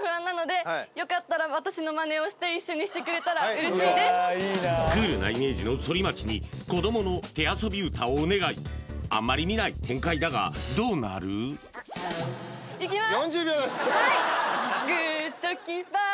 はいはいえっとよかったらクールなイメージの反町に子どもの手遊び歌をお願いあんまり見ない展開だがどうなる？いきます